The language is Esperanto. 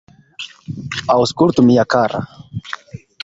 Aŭskultu, mia kara!